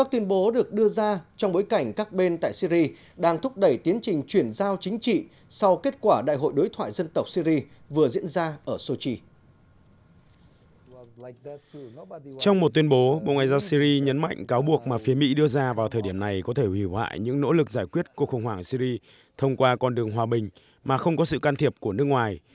trong một tuyên bố bộ ngoại giao siri nhấn mạnh cáo buộc mà phía mỹ đưa ra vào thời điểm này có thể hủy hoại những nỗ lực giải quyết cuộc khủng hoảng siri thông qua con đường hòa bình mà không có sự can thiệp của nước ngoài